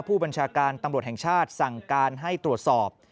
ผู้บัญชาการตำรวจแห่งชาติสั่งการให้ตรวจสอบ